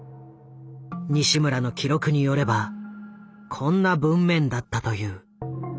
西村の記録によればこんな文面だったという。